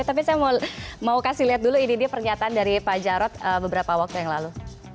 tapi saya mau kasih lihat dulu ini dia pernyataan dari pak jarod beberapa waktu yang lalu